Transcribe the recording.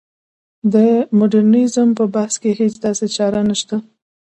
د مډرنیزم په بحث کې هېڅ داسې چاره نشته.